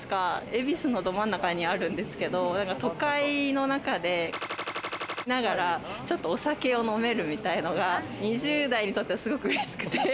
恵比寿のど真ん中にあるんですけど、都会の中でしながらお酒は飲めるみたいなのが２０代にとっては、すごくうれしくて。